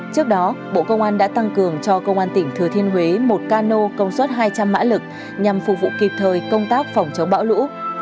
trước đó bộ công an đã tăng cường cho công an tỉnh thừa thiên huế một cano công suất hai trăm linh mã lực nhằm phục vụ kịp thời công tác phòng chống bão lũ